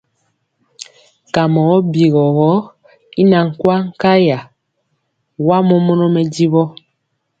Kamɔ ɔ bigɔ i na kwaŋ nkaya, wa mɔmɔnɔ mɛdiwɔ.